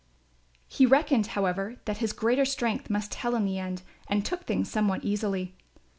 He reckoned however that his greater strength must tell in the end and took things somewhat easily.